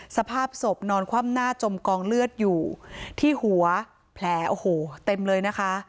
สภาพศพนอนคว่ำหน้าจมกองเลือดอยู่ที่หัวแผลโอ้โหเต็มเลยนะคะ